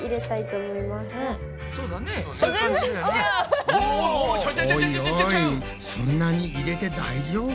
おいおいそんなに入れて大丈夫？